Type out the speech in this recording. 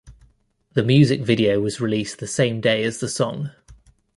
The music video was released the same day as the song.